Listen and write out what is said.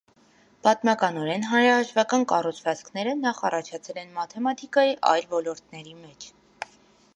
Պատմականորեն հանրահաշվական կառուցվածքները նախ առաջացել են մաթեմատիկայի այլ ոլորտների մեջ։